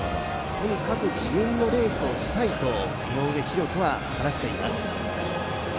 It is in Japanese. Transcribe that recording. とにかく自分のレースをしたいと、井上大仁は話しています。